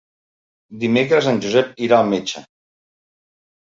Dimecres en Josep irà al metge.